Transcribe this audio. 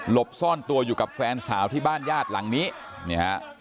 หลบซ่อนตัวอยู่กับแฟนสาวที่บ้านญาติหลังนี้